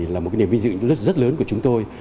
là một cái niềm vinh dự rất lớn của chúng tôi